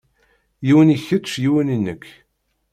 Yiwen i kečč yiwen i nekk.